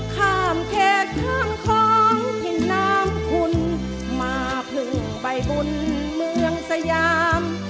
ข้ามเขตข้ามคลองถิ่นน้ำคุณมาพึ่งใบบุญเมืองสยาม